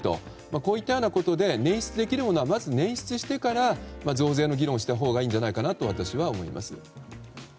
こういったようなことで捻出できるものはまず捻出してから増税の議論をしたほうがいいと私は思います。